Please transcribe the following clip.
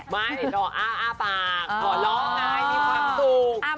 ไม่ตกอ่ะอ่ะปากอ้อดล้องไงมีความนุด